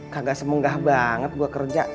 kaga semunggah banget gue kerja